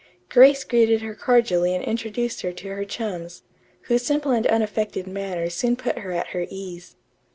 Grace greeted her cordially and introduced her to her chums, whose simple and unaffected manners soon put her at her ease.